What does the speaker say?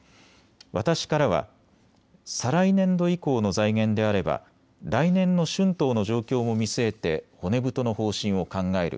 私からは再来年度以降の財源であれば来年の春闘の状況も見据えて骨太の方針を考える。